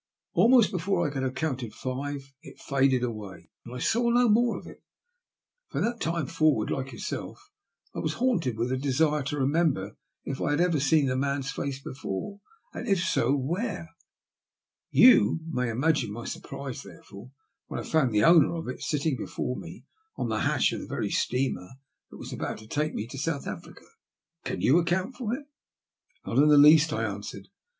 Almost before I could have counted five it faded away, and I saw no more of it. From that time forward, like yourself, I was haunted with the desire to remember if I had ever seen the man's face before, and, if so, where. You may imagine my surprise, therefore, when I found the owner of it sitting before me on the hatch of the very steamer that was to take me to South Africa. Can you account for it?" '< Not in the least," I answered.